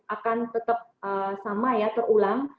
akan tetap sama ya terulang